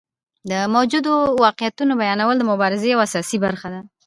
د موجودو واقعیتونو بیانول د مبارزې یوه اساسي برخه ده.